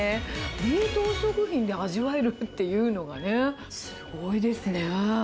冷凍食品で味わえるっていうのがね、すごいですね。